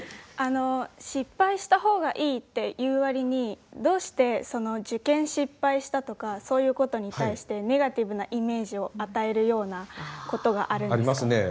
あの失敗した方がいいって言う割にどうして受験失敗したとかそういうことに対してネガティブなイメージを与えるようなことがあるんですか？